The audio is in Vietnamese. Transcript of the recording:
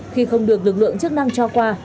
khi không được lực lượng chức năng cho qua